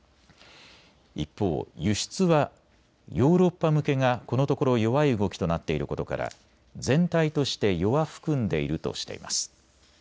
一方、輸出はヨーロッパ向けがこのところ弱い動きとなっていることから全体として弱含んでいるとしています。